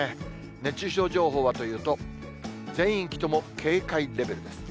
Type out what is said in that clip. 熱中症情報はというと、全域とも警戒レベルです。